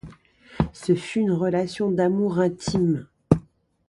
Ce fut une relation d’amour intime.